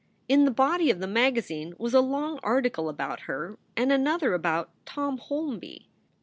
In the body of the magazine was a long article about her, and another about Tom Holby.